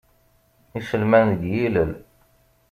Iselman deg yilel.